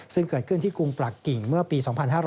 ซึ่งเกิดขึ้นที่กรุงปลักกิ่งเมื่อปี๒๕๕๙